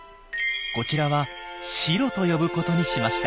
こちらはシロと呼ぶことにしました。